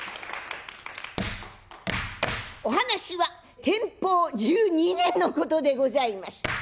お話は天保１２年のことでございます。